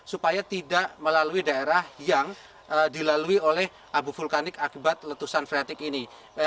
supaya tidak melalui daerah yang dilalui oleh abu vulkanik akibat letusan freatik ini